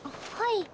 はい。